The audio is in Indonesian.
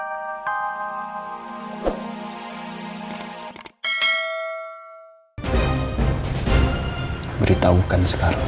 you beri tahukan sekarang